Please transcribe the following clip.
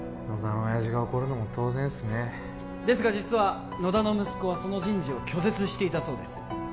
野田の親父が怒るのも当然ですねですが実は野田の息子はその人事を拒絶していたそうです